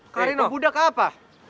karina budak apa